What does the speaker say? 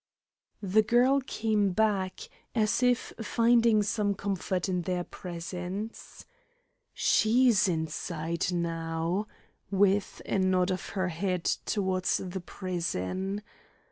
The girl came back, as if finding some comfort in their presence. "She's inside now," with a nod of her head towards the prison.